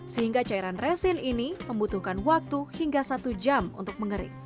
sehingga cairan resin ini membutuhkan waktu hingga satu jam untuk mengering